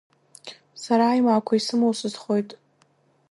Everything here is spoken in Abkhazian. Сара аимаақәа исымоу сызхоит.